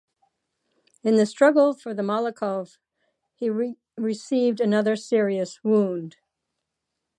In the struggle for the Malakov he received another serious wound.